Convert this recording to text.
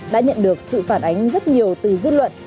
đã nhận được sự phản ánh rất nhiều từ dư luận